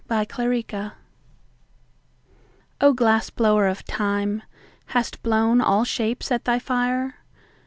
Invocation O GLASS BLOWER of time, Hast blown all shapes at thy fire?